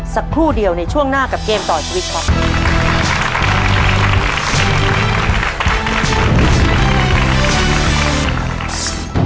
สักครู่เดียวในช่วงหน้ากับเกมต่อชีวิตครับ